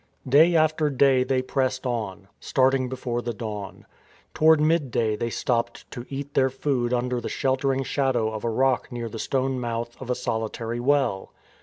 Day after day they pressed on, starting before the dawn. Toward midday they stopped to eat their food under the sheltering shadow of a rock near the stone mouth of a solitary well.